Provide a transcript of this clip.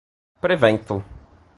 prevento